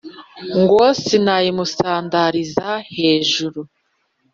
ngo sinayimusandariza hejuru,